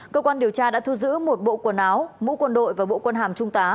cơ quan điều tra đã thu giữ một bộ quần áo mũ quân đội và bộ quân hàm trung tá